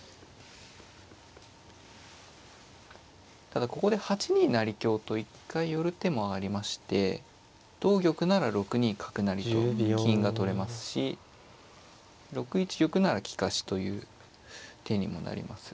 ただここで８二成香と一回寄る手もありまして同玉なら６二角成と金が取れますし６一玉なら利かしという手にもなります。